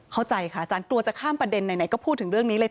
เข้าใจค่ะอาจารย์กลัวจะข้ามประเด็นไหนก็พูดถึงเรื่องนี้เลยค่ะ